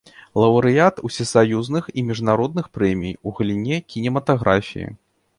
Лаўрэат усесаюзных і міжнародных прэмій у галіне кінематаграфіі.